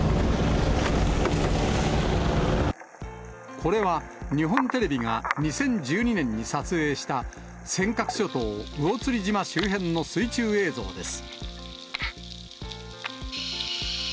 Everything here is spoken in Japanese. これは日本テレビが２０１２年に撮影した、尖閣諸島魚釣島周辺の水中映像です。